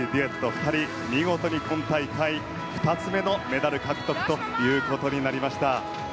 ２人見事に今大会２つ目のメダル獲得となりました。